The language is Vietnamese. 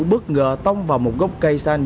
bất ngờ tông vào một gốc cây xanh